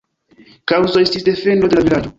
Kaŭzo estis defendo de la vilaĝo.